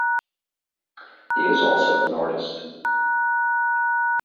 He is also an artist.